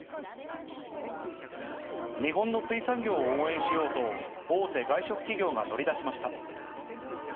日本の水産業を応援しようと、大手外食企業が乗り出しました。